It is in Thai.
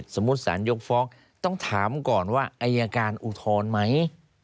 สมมุติสารยกฟ้องต้องถามก่อนว่าอายการอุทธรณ์ไหม